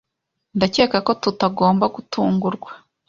Ndakeka ko tutagomba gutungurwa.